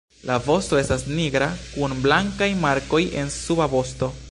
La vosto estas nigra kun blankaj markoj en suba vosto.